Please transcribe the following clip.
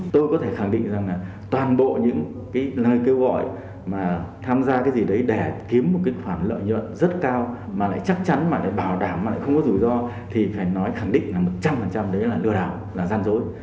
tôi có thể khẳng định rằng là toàn bộ những cái lời kêu gọi mà tham gia cái gì đấy để kiếm một cái khoản lợi nhuận rất cao mà lại chắc chắn mà để bảo đảm mà lại không có rủi ro thì phải nói khẳng định là một trăm linh đấy là lừa đảo là gian dối